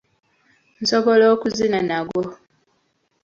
Nsobola okuzina nagwo.